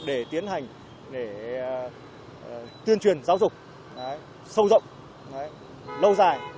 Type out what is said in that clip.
để tiến hành để tuyên truyền giáo dục sâu rộng lâu dài